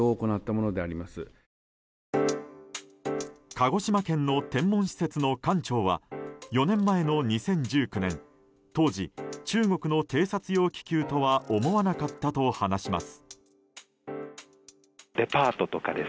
鹿児島県の天文施設の館長は４年前の２０１９年当時、中国の偵察用気球とは思わなかったと話します。